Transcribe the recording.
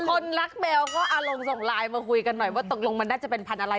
คนรักแมวก็อารมณ์ส่งไลน์มาคุยกันหน่อยว่าตกลงมันน่าจะเป็นพันธุ์อะไร